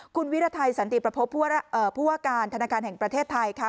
คุณวิรัตน์ไทยสันติประโภพผู้อาการธนการแห่งประเทศไทยค่ะ